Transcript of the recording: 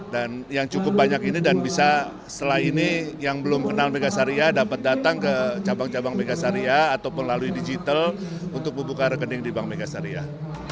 yang cukup banyak ini dan bisa setelah ini yang belum kenal mega syariah dapat datang ke cabang cabang megasaria atau melalui digital untuk membuka rekening di bank mega syariah